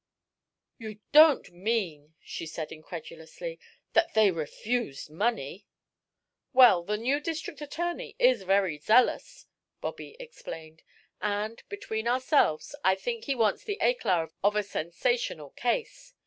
"You don't mean," she said incredulously, "that they refused money?" "Well, the new District Attorney is very zealous," Bobby explained, "and, between ourselves, I think he wants the éclat of a sensational case.